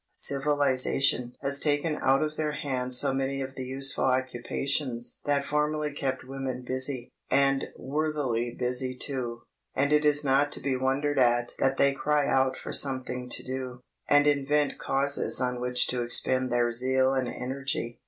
Civilization has taken out of their hands so many of the useful occupations that formerly kept women busy—and worthily busy too; and it is not to be wondered at that they cry out for something to do, and invent Causes on which to expend their zeal and energy.